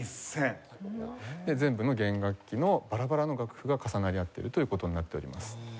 全部の弦楽器のバラバラの楽譜が重なり合っているという事になっております。